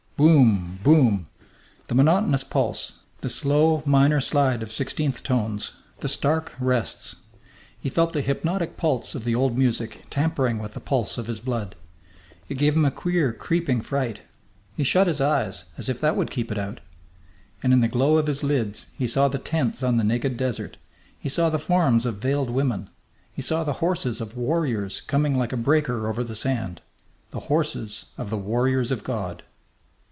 _ "Boom boom!" The monotonous pulse, the slow minor slide of sixteenth tones, the stark rests he felt the hypnotic pulse of the old music tampering with the pulse of his blood. It gave him a queer creeping fright. He shut his eyes, as if that would keep it out. And in the glow of his lids he saw the tents on the naked desert; he saw the forms of veiled women; he saw the horses of warriors coming like a breaker over the sand the horses of the warriors of God!